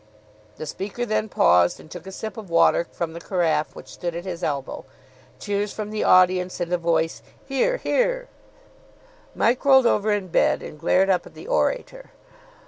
The speaker then paused, and took a sip of water from the carafe which stood at his elbow. Cheers from the audience, and a voice 'Hear! Hear!'" Mike rolled over in bed and glared up at the orator.